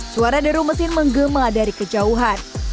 suara deru mesin menggema dari kejauhan